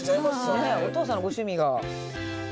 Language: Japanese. おとうさんのご趣味が。